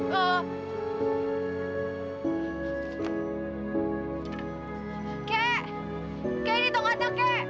kakek kakek ini dong ada kakek